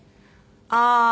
ああ！